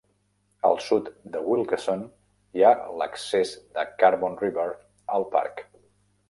Al sud de Wilkeson hi ha l"accés de Carbon River al parc.